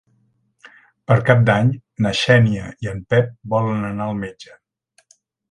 Per Cap d'Any na Xènia i en Pep volen anar al metge.